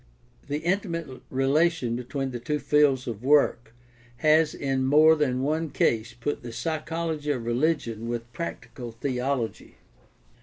The intimate relation between the two fields of work has in more than one case put the psychology of religion with practical theology.